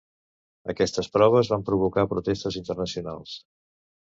Aquestes proves van provocar protestes internacionals.